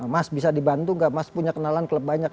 mas bisa dibantu gak mas punya kenalan klub banyak